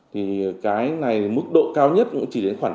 thì cái này mức độ cao nhất cũng chỉ đến khoảng